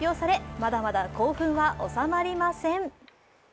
まだまだ興奮は収まりません。